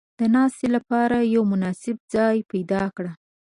• د ناستې لپاره یو مناسب ځای پیدا کړه.